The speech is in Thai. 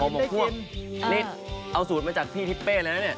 ผมกับภวกนี่เอาสูตรมาจากพี่ทิปเป้เลยนะเนี่ย